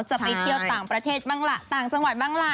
จะไปเที่ยวต่างประเทศบ้างล่ะต่างจังหวัดบ้างล่ะ